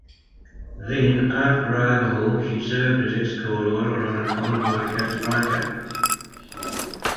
Then, after overhaul, she served as escort oiler on a convoy to Casablanca.